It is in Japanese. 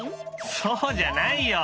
そうじゃないよ。